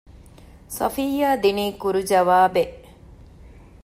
ޞަފިއްޔާ ދިނީ ކުރު ޖަވާބެއް